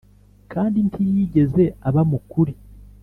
kandi ntiyigeze aba mu kuri